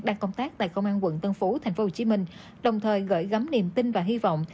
đang công tác tại công an quận tân phú tp hcm đồng thời gửi gắm niềm tin và hy vọng